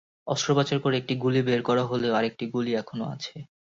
অস্ত্রোপচার করে একটি গুলি বের করা হলেও আরেকটি গুলি এখনো আছে।